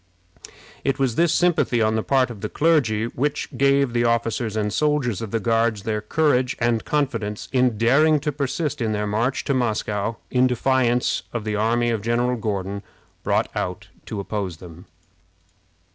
It was this sympathy on the part of the clergy which gave the officers and soldiers of the Guards their courage and confidence in daring to persist in their march to Moscow in defiance of the army of General Gordon, brought out to oppose them.